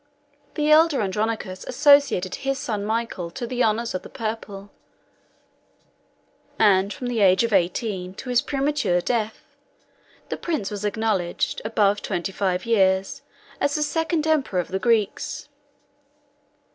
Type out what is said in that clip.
] After the example of the first of the Palæologi, the elder Andronicus associated his son Michael to the honors of the purple; and from the age of eighteen to his premature death, that prince was acknowledged, above twenty five years, as the second emperor of the Greeks.